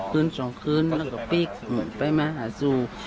คืนสองคืนแล้วก็ปลิ๊กไปมาหาซู